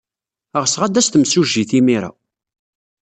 Ɣseɣ ad d-tas temsujjit imir-a.